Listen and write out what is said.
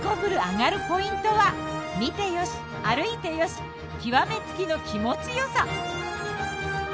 アガるポイントは見てよし歩いてよし極め付きの気持ちよさ。